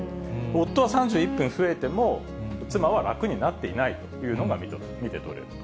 夫は３１分増えても、妻は楽になっていないというのが見て取れる。